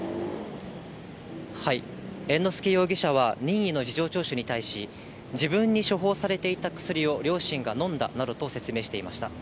猿之助容疑者は任意の事情聴取に対し、自分に処方されていた薬を両親が飲んだなどと説明していました。